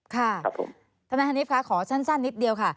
ค่ะท่านแม่ฮานิฟท์คะขอสั้นนิดเดียวค่ะ